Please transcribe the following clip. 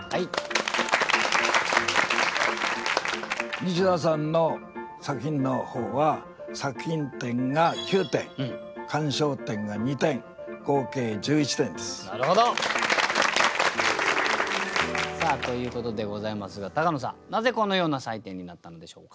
ニシダさんの作品の方はなるほど！ということでございますが高野さんなぜこのような採点になったのでしょうか？